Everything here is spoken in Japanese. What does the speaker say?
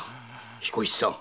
彦七さん。